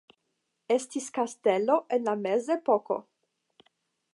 Estis kastelo en la Mezepoko.